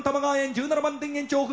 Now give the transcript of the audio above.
１７番田園調布。